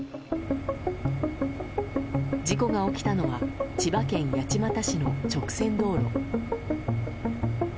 事故が起きたのは千葉県八街市の直線道路。